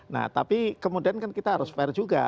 nah tapi kemudian kan kita harus fair juga